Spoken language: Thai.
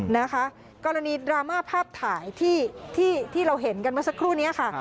นะคะกรณีดราม่าภาพถ่ายที่เราเห็นกันเมื่อสักครู่นี้ค่ะ